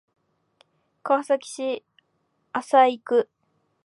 川崎市麻生区